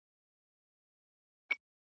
زه چی پلار وم قصابی لره روزلی `